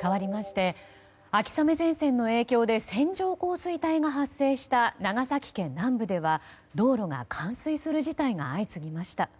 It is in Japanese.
かわりまして秋雨前線の影響で線状降水帯が発生した長崎県南部では道路が冠水する事態が相次ぎました。